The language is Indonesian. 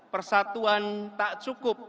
persatuan tak cukup